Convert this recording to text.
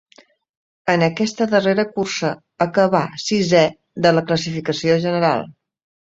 En aquesta darrera cursa acabà sisè de la classificació general.